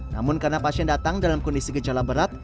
namun karena pasien datang dalam kondisi gejala berat